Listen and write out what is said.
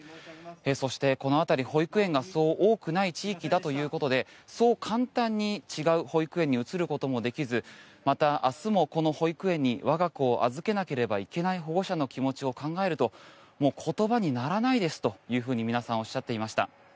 そして、この辺り、保育園がそう多くない地域だということでそう簡単に違う保育園に移ることもできずまた、明日もこの保育園に我が子を預けなければいけない保護者の気持ちを考えると言葉にならないですというふうに皆さんおっしゃっていました。